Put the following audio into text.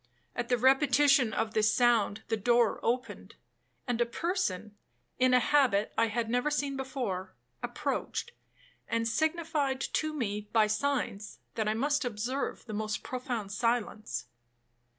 At the repetition of this sound the door opened, and a person, in a habit I had never seen before, approached, and signified to me by signs, that I must observe the most profound silence.